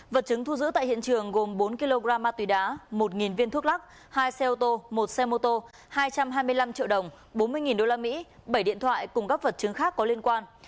vật chứng thu giữ tại hiện trường gồm bốn kg ma túy đá một viên thuốc lắc hai xe ô tô một xe mô tô hai trăm hai mươi năm triệu đồng bốn mươi usd bảy điện thoại cùng các vật chứng khác có liên quan